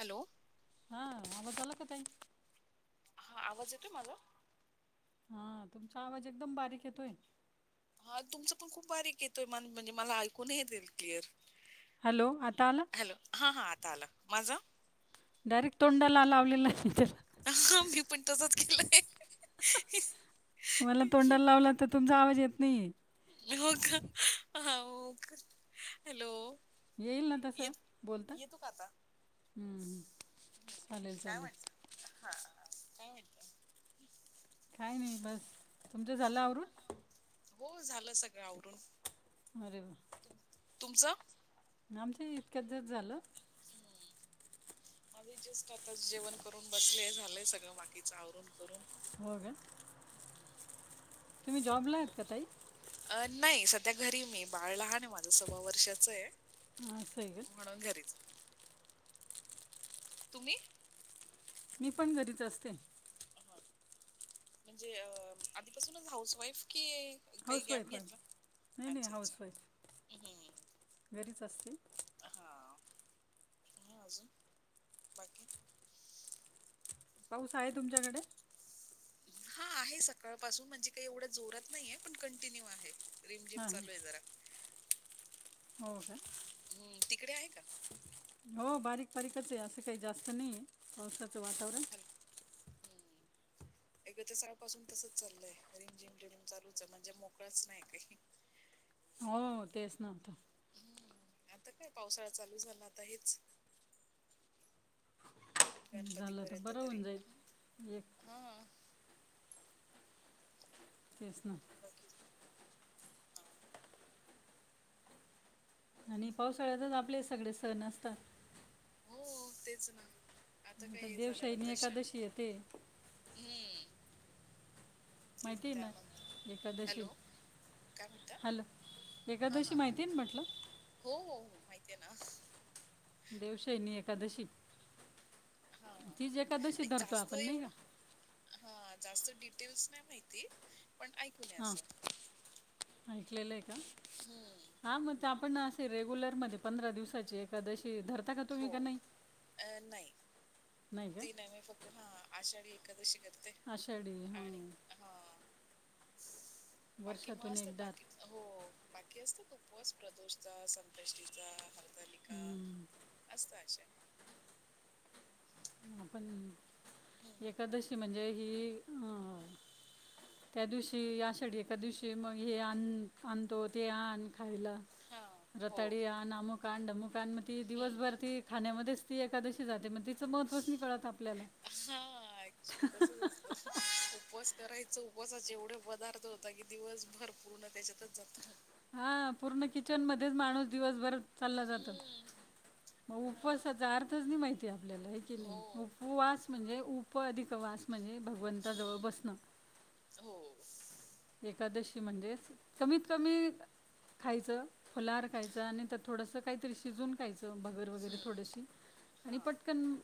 Hello, ह बताला कतय,, हा, आवाज येतोय माझा, हा, तुमचा आवाज एकदम बारीक येतोय, हा तुमच पण खूप बारीक येतोय,, म्हणजे मला ऐकू नाई येतय क्लिअर,,, हॅलो,, आता आला. आलं, माझं, डायरेक्ट तोंडाला लावलेला,, हहह हा, मी पण तसच केलंय, मला तोंडाला लावला तर तुमचा आवाज येत नाहीये, का हो का, अं, हॅलो, येईल ना तसं, येत बोलता,, येतो का आता? हम्म, हम् चालेल, चालेल काय मायत. काय नाही बस,, तुमचं झालं आवरुण? हो, झालं सगळं आवरुन, अरे, तुमचं, आमचं इतक्यात जत झालं,,, आझी जस्ट आताच जेवण करून बसले झालंय सगळं बाकीच आवरून करून होऽगं, तुम्ही जॉबला आहेत का ताई? अ नाही, सध्या घरीय मी, बाळ लहान आहे माझं, सव्वा वर्षाच य,, कसयं का? तुम्ही, मी पण घरीच असते. म्हणजे अ आधीपासूनच हाऊस वाईफ कि [inaudible] काही गॅप हाऊसवाईफ आहे घेतला,, नाही नाही अच्छा अच्छा, हाऊसवाईफ हम्. घरीच असते. ह अजून, बाकी. पाऊस आहे तुमच्याकडे [inaudible] हा आहे, सकाळ पाासून म्हणजे काही एवढं जोरात नाहीये पण कंटिन्यू आहे. रिम झिम हां चालू आहे जरा, हो का, हं, तिकडे आहे का? हो बारीक. बारीकच ये, असं काही जास्त नाहीये पावसाचं वातावरण. हॅलो. हं. [unintelligible] सकाळपासून तसचं चालयं रिमझिम रिम चालूचं म्हणजे मोकळाच नाही काही. हो तेच नव्हतं. हं. आता काय पावसाळा चालू झाला आता हेच. गणपती झालं तर पर्यंत बरं तरी होऊन जाईल एक हां. तेच ना. बाकी हां. आणि पावसाळ्यातच आपले सगळे सण असतात. हो तेच ना. आता काय हे झाले देवशाहीने नंतर शा एकादशी येते हम्म. [inaudible] माहिती आहे ना एकादशी हॅलो. काय म्हणता हॅलो हा, एकादशी हा, माहिती आहे ना म्हटलं हो, हो. हो माहिती आहे ना. देवशैनी एकादशी. हां, हां. तीच एकादशी नाही धरतो जास्त आपण नाही का. एवढं हां, जास्त डिटेल्स नाही माहिती, पण ऐकून आहे असं. [unintelligible] हं. हा आपण रेगुलर मध्ये पंधरा दिवसाची एकादशी धर हो, अ नाही ती नाही मी फक्त हा आषाढी एका आषाढी हां हां, बाकी म वर्षातून असतात एकदा बाकी हो बाकी असतात. उपवास प्रदोषचा, संकष्टीचा, हरतालिका. हम्म, असतय अशा. पण हं, हं. एकादशी म्हणजे हि अं. त्या दिवशी आषाढी एकादशी दिवशी मग हे आणतो ते आण खायलां हां. हो. रताळी आणा अमुक आण डमूक आणं मगं ती हं, हं. दिवसभर ती खाण्यामध्येच. ती एकादशी जाते, मग तिचं महत्वच नाही कळतं आपल्याला. हा ऍक्च्युली तसचं असतं उपवास. करायचं उपवासाचे एवढे पदार्थ होतात की दिवसभर पूर्ण त्याच्यातच जातो हा पूर्ण किचन मध्येच माणूस दिवसभर चालला जातो. हम्म मग हा उपवासाचा अर्थच नाही माहितीये, आपल्याला हेकीनी हो उपवास. म्हणजे उप अधिक वास म्हणजे भगवंताजवळ हम्म बसणं. हो एकादशी म्हणजेच कमीत कमी. खायचं फुलार खायचं आणि थोडस काहीतरी शिजवून खायचं भगर वगैरे हम्म थोडीशी. आणि हा पटकन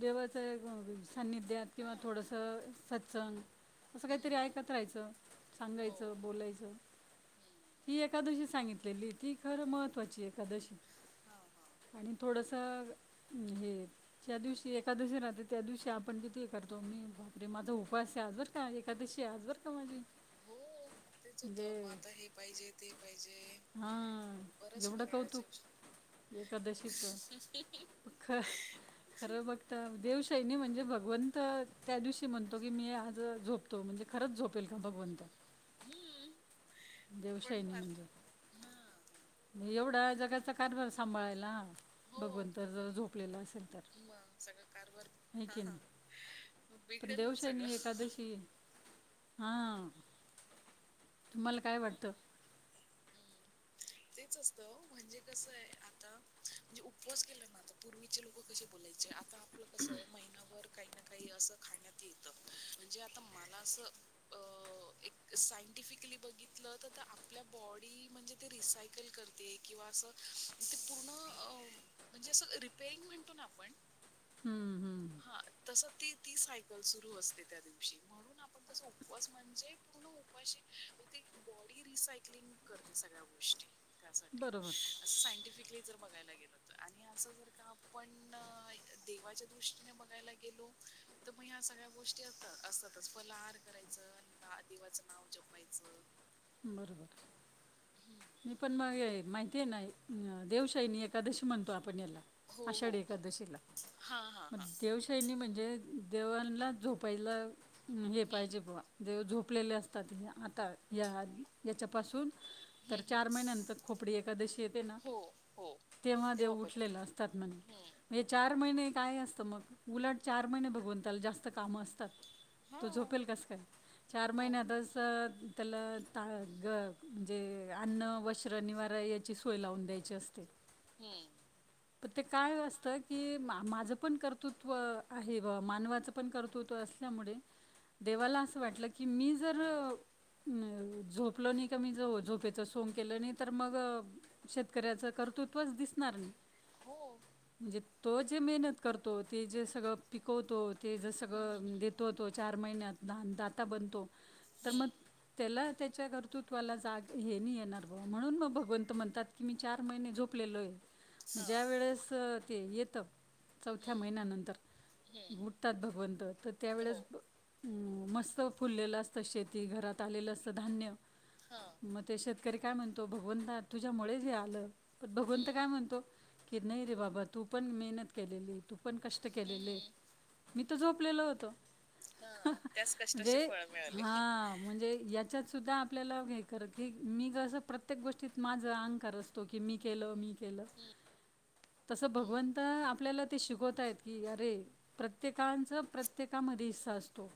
देवाचं सान्निध्यात हा किंवा थोडसं सत्संग. असं काहीतरी हम्म ऐकत राहायचं, हो सांगायचं, बोलायचं. हम्म ही एकादशी सांगितलेली ती खरं महत्त्वाची एकादशी. हा हा आणि थोडसं हे, ज्या दिवशी एकादशी राहते त्या दिवशी आपण किती. करतो मी बाप रे! माझा उपवास आज बरं का एकादशी आज बरं का माझी. हो तेच जे होतं मग आता हे पाहिजे ते पाहिजे हा बरंच येवढं फराळाचे कौतुक. वस्तू. एकादशीच ख खरं बघता देव श सैनी म्हणजे भगवंत त्या दिवशी म्हणतो की, मी आज झोपतो म्हणजे खरंच झोपेल का भगवंत. हम्म. पण मग देवशैनी आत- मंदिर हा हा मग एवढा जगाचा कारभार सांभाळायला. हो भगवंत जर झोपलेलं असेलं तरं, मग सगळं कारभार हा बिघडेलं ना सगळा. हा तुम्हाला काय वाटतं? हम्म [inaudible] तेच असतं हो म्हणजे कसं आहे. आता म्हणजे उपवास केला ना आता पूर्वीचे लोक कसे बोलायचे. आता आपलं कस महिनाभर काही ना काही असं खाण्यात येत म्हणजे आता मला असं. अ एक सायंटिफिकली बघितलं तर आपल्या बॉडी म्हणजे, ती रिसाइकल करती किंवा ते पूर्ण म्हणजे असं रिपेइंग आपण. हम्म हम्म. हा तस त ती सायकल सुरू असते त्या दिवशी म्हणून आपण तस उपवास म्हणजे पूर्ण उपवाशी ते बॉडी रिसायकलिंग करते सगळ्या गोष्टी त्यासाठी बरोबर, अस सांटिफ बघायला गे अस ज का आपण दे गोष्टी बघायला गेलो तर ह सगळ्या गोष्टी अस असतातच फलार करायच आदिवाचं नाव जपायचं बरोबर हं. मी पण मग माहिती ते नाही देवशाहीनी एकादशी म्हणतो आप आपला हो, हो, आषाढी हो. एकादशीला हां, हां, मग हां. देवशैनी म्हणजे देवांना झोपायला हे हं. पाहिजे बवा देव झोप तपलेले असतात आता या याच्यापासून तर हं, हं. चार महिन्यांतर खोपडी एखादशी येते ना हो, हो. तेव्हा देव उठलेलं असतात हं. म्हणे चार महिने काय असतं मग उलट चार महिने भगवंताला जास्त कामं असतात तू हां. झोपेल कस काय चार मग. महिन्यातस त्याला ता म्हणजे अन्न वस्त्र निवारा याची सोय लावून द्यायची असते हम् प ते काय असतं की माझं पण कर्तृत्व आहे मानवाचं पण कर्तृत्व असल्यामुळे देवाला अस वाट की मी जर झोपल नाही कमी ज झोपेच सोंग केलं नाही तर मग शेतकऱ्याच कर्तृत्वच दिसणार नाही हो म्हणजे तो जे मेहनत करतो ते जे सगळं पिकवतो ते जर हम्म सगळं हम्म देतो होतो चार महिन्यात दान दाता बनतो तर मग हम्म त्याला त्याच्या कर्तृत्वाला जाग हे नाही येणार ब म्हणून मग भगवंत म्हणतात की मी चार महिने झोप हम्म हा ज्या वेळेस ते येत चौथ्या हम्म महिन्यानंतर हम्म उठतात भगवंत तर त्यावेळेस हो मस्त फुललेलं असतं शेती घरात आलेलं असतं धान्य हा मग ते शेत शेतकरी काय म्हणतो भगवता तुझ्यामुळेच हे आलं पण भगवंत हम्म काय म्हणतो की नाही रे बाबा तू पण मेहनत केलेली तू पण कष्ट केलेले हम्म मी झोपलेलं होत हा त्याच कष्टाचे म्हणजे फळ मिळाले हा याच्यात सुद्धा आपल्या प्रत्येक गोष्टीत अंग करतो की केल मी मी केलं हम्म तसं भगवंत आपल्याला ते शिकवता आहेत की अरे प्रत्येकचं प्रत्येकामध्येच असतो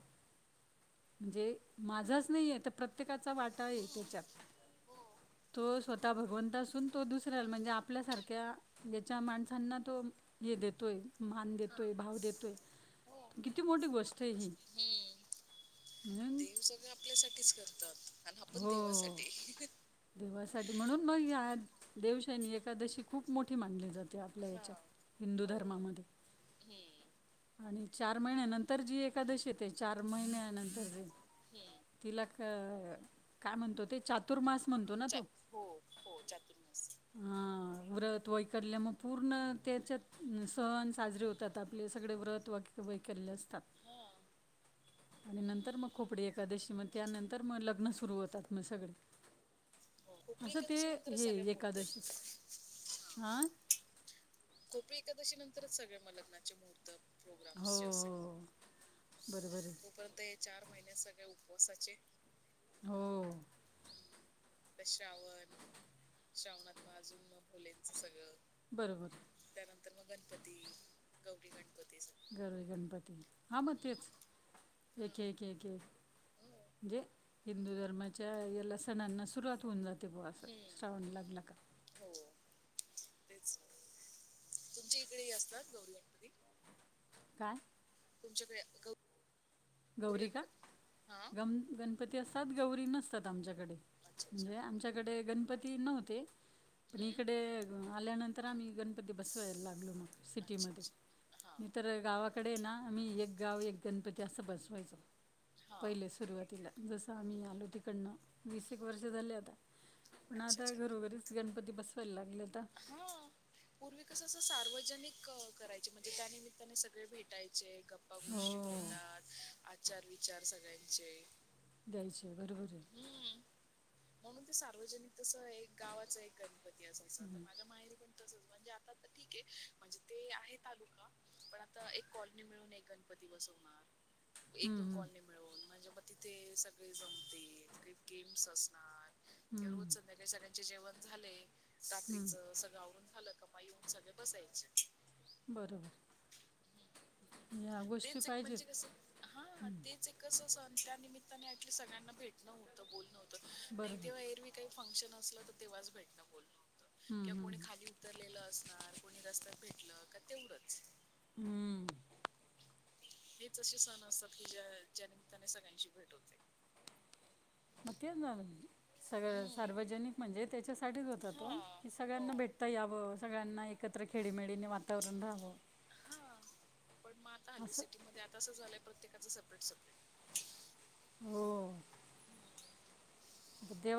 म्हणजे माझाच नाही आहे तर प्रत्येकाचा वाटा आहे हम्म त्याच्यात हो तो स्वतः भगवंत असून तो दुसऱ्याला म्हणजे आपल्यासारख्या ज्याच्या माणसांना तो हे देतोय मान हा देतोय भाव देतोय हो किती मोठी गोष्ट आहे ही म्हणून सग आपल्यासाठीच करतात आणि आपण हो देवासाठी देवासाठी म्हणून मग या देवशैनी एकादशी खूप मोठी मानली जाते आपल्या हा याच्यात हिंदू हो धर्मामध्ये हम्म आणि चार महिन्यानंतर जी एखादशी येते चार महिन्यानंतर जे हम्म तिला काय म्हणतो ते चातुर्मास म्हणतो ना चा तो हो हो चतुर्मास हां. व्रत व ऐकतल्यामुग पूर्ण हम्म. त्याच्यात सण साजरे होतात आपले सगळे व्रत व उभय केले असतात हा आणि नंतर मग खोपडी एकादशी मग त्यानंतर मग लग्न सुरू होतात मग सगळे. हो कोपरी असं ते एकादशी नंतरच हे सगळे मुहूर्त एकादशीच हा. खोपी एकादशी नंतरच सगळे म लग्नाचे मुहूर्त प्रोग्राम हो, हो. बरोबर आहे. तोपर्यंत चार महिने सगळे उपवासाचे. हो. ते श्रावण श्रवणात म अजून मग मुलींच सगळं बरोबर. त्यानंतर मग गणपती गौरी गण गर गणपती हा मग तेच हा एक एक एक एक. हो म्हजे हिंदू धर्माच्या या ल सणांना सुरुवात होऊन जा. ते बो अस हम्म श्रावण लागला का हो तेच तुमच्या इकडे ही असतात गौरी गणपती? काय. तुमच्याकडे गौ गौरी का गम गणपती असतात गौरी नसतात आमच्याकडे. अच्छा अच्छा म्हणजे आमच्याकडे गणपती नव्हते पण हम्म. इकडे आल्यानंतर आम्ही गणपती बसवायला लागलो मग अच्छा सिटीमध्ये. अच्छा हा मी तर गावाकडे ना आम्ही एक गाव एक गणपती अस बसवायचो. हा पहिले सुरुवातीला जसं आम्ही हम्म. आलो तकडन वीस एक वर्ष हम्म. झाले आता. पण अच्छा आता अच्छा घरोघरीच गणपती बसवायला लागेलेत आ हा पूर्वी कस अस सार्वजनिक करायचे म्हणजे त्यानिमित्ताने सगळे भेटायचे गप्पा गोष्टी हो होतात आचार विचार सगळ्यांचे द्यायचे बरोबर हे. हम्म म्हणून ते सार्वजनिक तस एक गावाच एक गणपती असायच तर हम्म. माझ्या माहिरी पण तसच म्हणजे तर ठीक [unintelligible] आहे म्हणजे ते आहे तालुका पण आता एक कॉलनी मिळून एक गणपती बसवणार. एक हम्म, दोन हम्म, कॉलनी मिळवून म्हणजे मग तिथे सगळे जमतील काही गेम्स असणार किंवा रोज हम्म, संध्याकाळी सगळ्यां चे जेवण झाले रात्रीच हम्म. सगळं आवरुन झालं का मग येऊन सगळ्या बसायच्या. बरोबर. या गोष्टी तेच एक म्हणजे पाहिजेत कस हा तेच एक कस त्यानमित्ताने ऍक्च्युली सगळ्यांना भेटण होत बोलणं होत नाही बरोबर तेव्हा एरवी काही फंक्शन असल तर तेव्हाच भेटणं होतं हम्म, किंवा कोणी हम्म, खाली उतरलेलं असणार कोणी रस्त्यात भेटलं का तेवढंच. हम्म. हेच असे सण असतात की ज्या ज्या निमित्ताने सगळ्यांची भेट होते. मग तेच ना सगळ हम्म सार्वजनिक म्हणजे तेच्यासाठीच होतात ओ हा की हो सगळ्यांना भेटता याव स गळ्यांना एकत्र खेडीमेडीने वातावरण राहावं. हा पण म आता हल्ली असं सिटी मध्ये आता असं झालंय प्रत्येकाच सपरेट सपरेट. हो.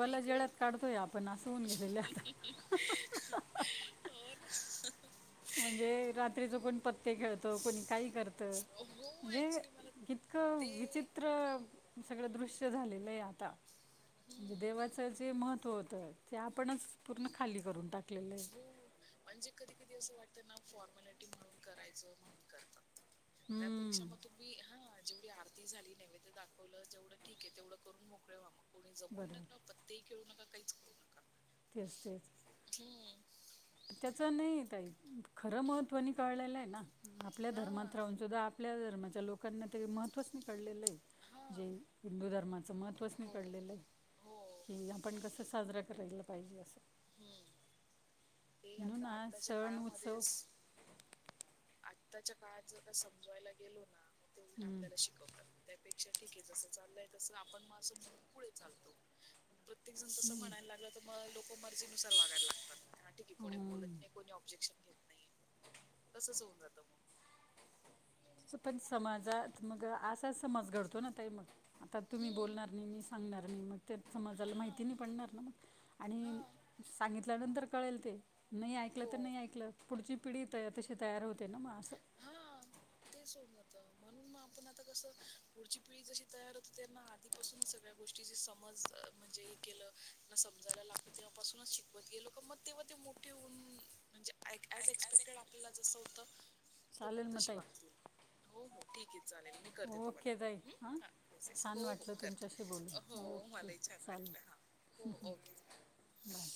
म इकडे जेळ्यात काढतोय आपण असं होऊन गेलेलं आहे आता [unintelligible] म्हणजे रात्रीच कोण पत्ते खेळतो कोणी काही करत. हो म्हणजे ऍक्च्युली मला इतकं ते विचित्र हे सगळं दृश्य झालेलं आहे आता. म्हजे हम्म देवाचं जे महत्त्व होतं ते आपणच पूर्ण खाली करून टाक हो म्हणजे कधी कधी असं वाटतं ना फॉर्मलिटी म्हणून करायचं म्हणून करतात. त्यापेक्षा हम्म, मग तुम्ही हा जेवढी आरती झाली नैवेद्य दाखवलं. जेवढं ठीक आहे. तेवढं करून मोकळेवा व्हा. कोणी जमूही बरोबर नका पत्तेही खेळू नका काहीच करू नका. तेच तेच. हम्म त्याच नाही ताई का खरं महत्वानी कळलेलं आहे ना आपल्या हा धर्मात राहून सुद्धा आपल्या धर्माच्या लोकांना ते महत्त्वच नि कळेलल आहे हा जे हिंदू धर्मात त्याचं महत्त्वच नाही हो कळलेलं आहे हो की आपण कसं साजरां करायला पाहिजे असं. हम्म. ते म्हणून आता आज आताच्या सण उत्सव काळामध्येच ताच्या काळात जर का समजवायला गेलो ना मग ते उलट हम्म आपल्याला शिकवतात त्यापेक्षा ठीक आहे, जस चाललंय तस आपण मग असं म्हणून पुढे चालतो, प्रत्येक जण तस म्हणायला लागला तर मर्जी नुसार वागायला लागतात ठीे कोणी बत हम्म नाही कोणी ऑब्जेक्शन होत नाहीये तसंच होऊन जात मग पण समाजात मग असा समाज घडतो ना ताई मग आता तुम्ही हम्म बोलणार नाही मी सांगणार मी मग ते समाजाला माहिती हा नाही पडणार नाही ना. मग हा आणि सांगितल्यानंतर कळेल ते नाही ऐकलं तर हो नाही ऐकलं. पुढची पिढी तशी तयार होते ना म असं. तेच हो जात म्हणून मग आपण आता कसं पुढची पिढी जशी तयार होतो, त्यांना आधीपासूनच सगळ्या गोष्टी समज केलं म्हणजे समजायला लागतं मग तेव्हापासून म्हणजेज एक्सपेक्टेड आपल्याला जस होत. चालेल मग ताई हो हो ठीक आहे. चालेल मी करते. तुम्हाला ओके ताई कॉल हां येस येस हो छान हो वाटलं तुमच्याशी करते हो बोलून ओके मलाही छान वाट ह हो ओके. बर.